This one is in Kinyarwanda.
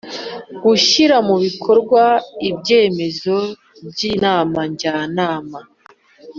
Gushyira mu bikorwa ibyemezo by Inama jyanama